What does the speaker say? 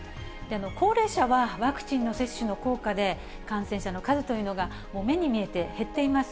高齢者はワクチンの接種の効果で、感染者の数というのが、もう目に見えて減っています。